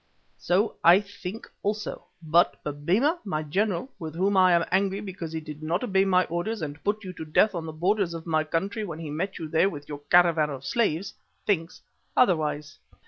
So I think also. But Babemba my General, with whom I am angry because he did not obey my orders and put you to death on the borders of my country when he met you there with your caravan of slaves, thinks otherwise.